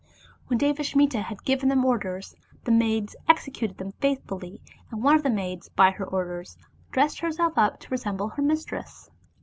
When Devasmita had given these orders, the maids executed them faithfully, and one of the maids, by her orders, dressed herself up to re semble her mistress.